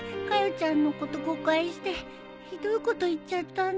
ちゃんのこと誤解してひどいこと言っちゃったんだ。